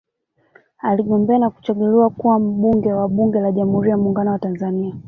Aligombea na kuchaguliwa kuwa Mbunge wa Bunge la Jamhuri ya Muungano wa Tanzania